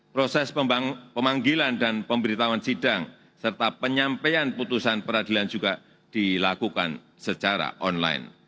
proses pemanggilan dan pemberitahuan sidang serta penyampaian putusan peradilan juga dilakukan secara online